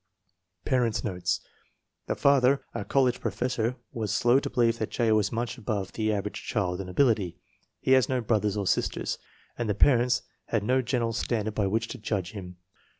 Parents 9 notes. The father, a college professor, was slow to believe that J. was much above the average child in ability. He has no brothers or sisters, and the parents had no general standard by which to judge him.